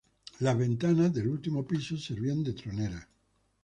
Las ventanas del último piso servían de troneras.